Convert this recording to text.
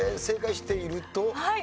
正解していると？